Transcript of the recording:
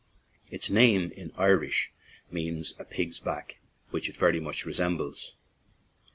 Its name in Irish means "a pig's back/' which it very much resembles.